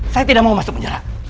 saya tidak mau masuk penjara